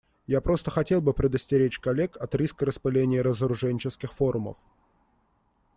Я просто хотел бы предостеречь коллег от риска распыления разоружененческих форумов.